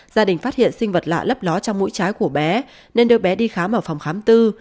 gia đình phát hiện sinh vật lạ lấp ló trong mũi trái của bé nên đưa bé đi khám ở phòng khám tư